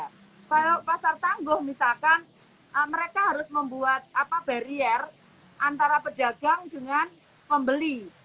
kalau pasar tangguh misalkan mereka harus membuat barier antara pedagang dengan pembeli